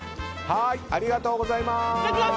ありがとうございます。